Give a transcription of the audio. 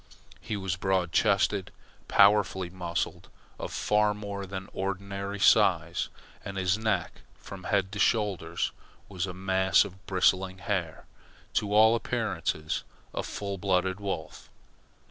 He was broad chested, powerfully muscled, of far more than ordinary size, and his neck from head to shoulders was a mass of bristling hair to all appearances a full blooded wolf.